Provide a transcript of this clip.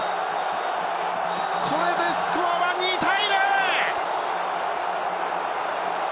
これでスコアは２対０！